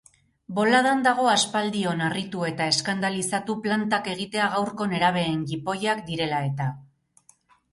Boladan dago aspaldion harritu eta eskandalizatu plantak egitea gaurko nerabeen jipoiak direla eta.